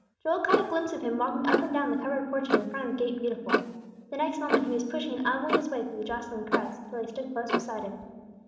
Joel caught a glimpse of Him walking up and down the covered porches in front of the Gate Beautiful. The next moment he was pushing and elbowing his way through the jostling crowds, till he stood close beside Him.